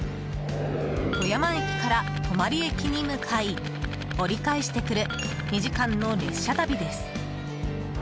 富山駅から泊駅に向かい折り返してくる２時間の列車旅です。